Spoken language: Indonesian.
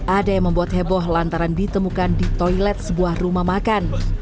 ada yang membuat heboh lantaran ditemukan di toilet sebuah rumah makan